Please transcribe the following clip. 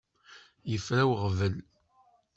Yefra weɣbel.